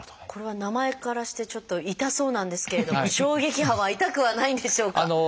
これは名前からしてちょっと痛そうなんですけれども衝撃波は痛くはないんでしょうか？